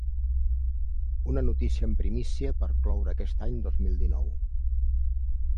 Una notícia en primícia per cloure aquest any dos mil dinou.